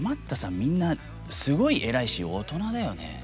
みんなすごい偉いし大人だよね。